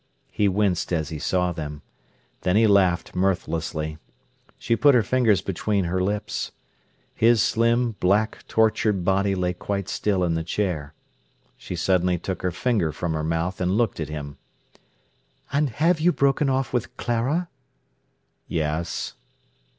He winced as he saw them. Then he laughed mirthlessly. She put her fingers between her lips. His slim, black, tortured body lay quite still in the chair. She suddenly took her finger from her mouth and looked at him. "And you have broken off with Clara?" "Yes."